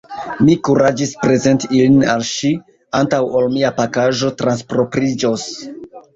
Mi kuraĝis prezenti ilin al ŝi, antaŭ ol mia pakaĵo transpropriĝos.